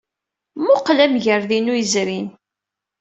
Mmuqqel amagrad-inu yezrin.